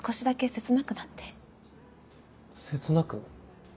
切なく？